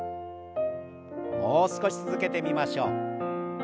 もう少し続けてみましょう。